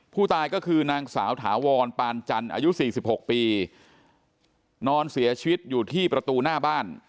ผู้ตายก็คือนางสาวถาวรปานจันทร์อายุ๔๖ปีนอนเสียชีวิตอยู่ที่ประตูหน้าบ้าน